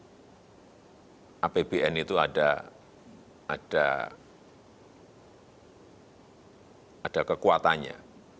pemerintah di cnn itu ada kekuatannya